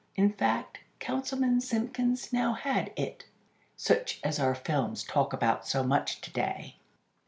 In fact, Councilman Simpkins now had "it," such as our films talk about so much today.